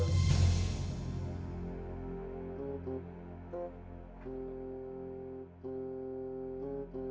bersama pak haji